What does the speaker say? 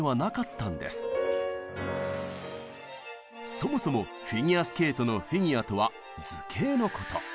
そもそもフィギュアスケートの「フィギュア」とは図形のこと。